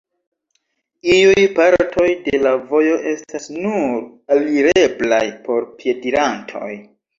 Iuj partoj de la vojo estas nur alireblaj por piedirantoj.